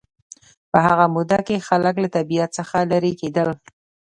په هغه موده کې خلک له طبیعت څخه لېرې کېدل